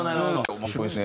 面白いですね。